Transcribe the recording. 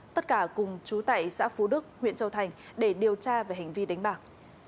tất cả cùng chú tẩy xã phú đức huyện châu thành để điều tra về hành vi đánh bạc